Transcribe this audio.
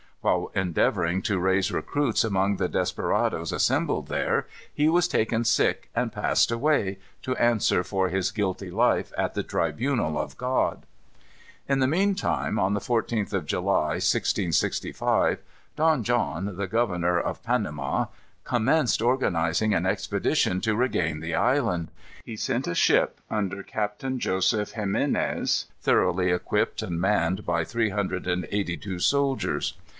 While endeavoring to raise recruits among the desperadoes assembled there, he was taken sick, and passed away, to answer for his guilty life at the tribunal of God. In the mean time, on the 14th of July, 1665, Don John, the governor of Panama, commenced organizing an expedition to regain the island. He sent a ship, under Captain Joseph Ximines, thoroughly equipped, and manned by three hundred and eighty two soldiers.